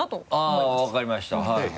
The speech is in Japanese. あっ分かりましたはい。